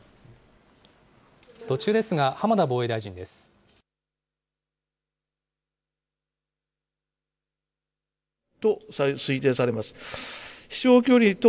途中ですが、浜田防衛大臣です。